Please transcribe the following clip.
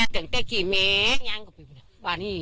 ก็นี่แหละจบ